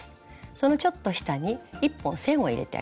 そのちょっと下に１本線を入れてあげます。